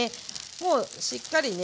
もうしっかりね